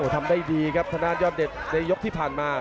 ทำได้ดีครับทางด้านยอดเด็ดในยกที่ผ่านมา